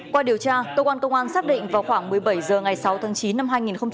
qua điều tra cơ quan công an xác định vào khoảng một mươi bảy h ngày sáu tháng chín năm hai nghìn hai mươi ba